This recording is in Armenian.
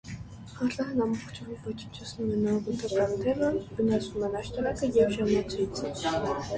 Հրդեհն ամբողջովին ոչնչացնում է նորգոթական թևը, վնասվում են աշտարակը և ժամացույցը։